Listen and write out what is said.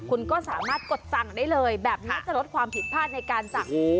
คุณก็สามารถกดสั่งได้เลยแบบนี้จะลดความผิดพลาดในการสั่ง